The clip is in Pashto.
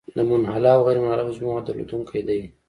د منحله او غیرمنحله عضوي موادو درلودونکی دی.